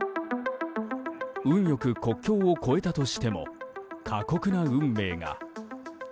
運よく国境を越えたとしても過酷な運命が。